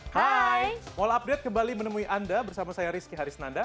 hai mall update kembali menemui anda bersama saya rizky harisnanda